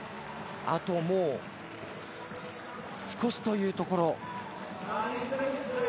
あと、もう少しというところ。